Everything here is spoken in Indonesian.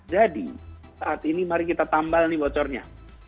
jadi saat ini mari kita tambal nih bocornya